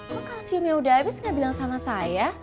kok kalsiumnya udah abis gak bilang sama saya